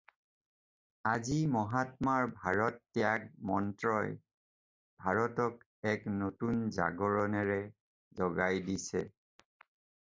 আজি মহাত্মাৰ ‘ভাৰত-ত্যাগ’ মন্ত্ৰই ভাৰতক এক নতুন জাগৰণেৰে জগাই দিছে